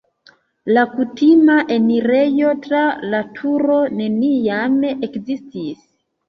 La kutima enirejo tra la turo neniam ekzistis.